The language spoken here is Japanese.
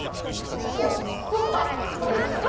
おっ、分かりました。